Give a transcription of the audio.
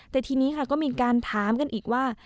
แต่ทีนี้ค่ะก็มีการถามกันอีกว่า